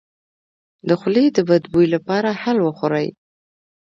د خولې د بد بوی لپاره هل وخورئ